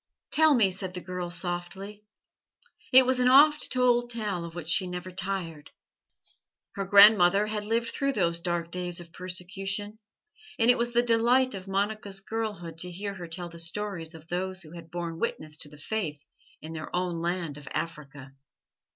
"Tell me," said the girl softly. It was an oft told tale of which she never tired. Her grandmother had lived through those dark days of persecution, and it was the delight of Monica's girlhood to hear her tell the stories of those who had borne witness to the Faith in their own land of Africa.